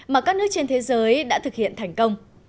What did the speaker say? mà các nước trên thế giới đã thực hiện thành công